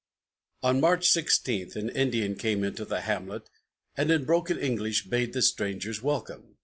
On March 16 an Indian came into the hamlet, and in broken English bade the strangers "Welcome."